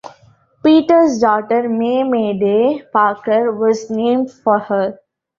Peter's daughter, May "Mayday" Parker, was named for her.